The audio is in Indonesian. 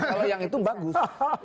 kalau yang itu bagus